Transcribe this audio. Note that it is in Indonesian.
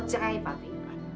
pesek air papi